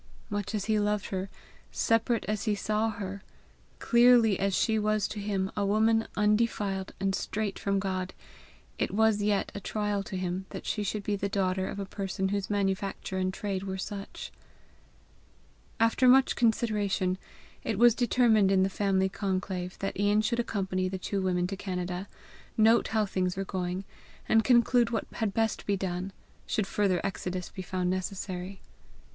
Much as he loved her, separate as he saw her, clearly as she was to him a woman undefiled and straight from God, it was yet a trial to him that she should be the daughter of a person whose manufacture and trade were such. After much consideration, it was determined in the family conclave, that Ian should accompany the two women to Canada, note how things were going, and conclude what had best be done, should further exodus be found necessary.